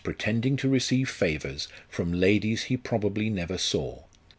pretending to receive favours from ladies he probably never saw.